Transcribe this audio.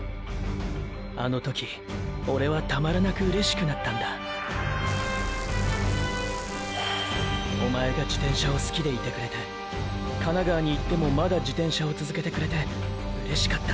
あの時オレはたまらなく嬉しくなったんだおまえが自転車を好きでいてくれて神奈川にいってもまだ自転車を続けてくれて嬉しかったんだ。